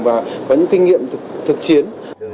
và có những kinh nghiệm thực chiến